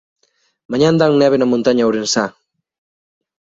Mañá dan neve na montaña ourensá